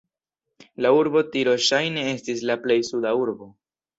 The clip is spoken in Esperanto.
La urbo Tiro ŝajne estis la plej suda urbo.